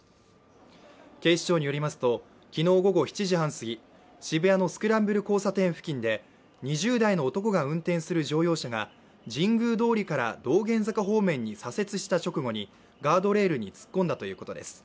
警視庁によりますと、昨日午後７時半すぎ渋谷のスクランブル交差点付近で２０代の男が運転する乗用車が神宮通りから道玄坂方面に左折した直後に、ガードレールに突っ込んだということです。